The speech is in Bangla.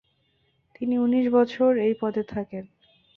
তিনি উনিশ বছর এই পদে থাকেন।